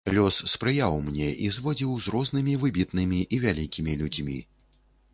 Лёс спрыяў мне і зводзіў з рознымі выбітнымі і вялікімі людзьмі.